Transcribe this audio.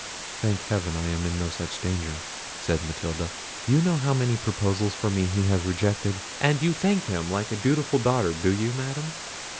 "Thank Heaven! I am in no such danger," said Matilda: "you know how many proposals for me he has rejected—" "And you thank him, like a dutiful daughter, do you, Madam?